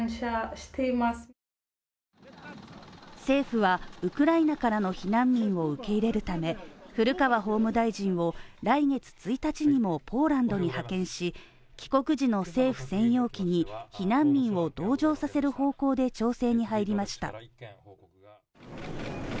政府はウクライナからの避難民を受け入れるため、古川法務大臣を来月１日にもポーランドに派遣し帰国時の政府専用機に避難民を同乗させる方向で調整に入りました。